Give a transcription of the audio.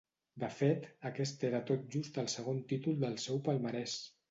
De fet, aquest era tot just el segon títol del seu palmarès.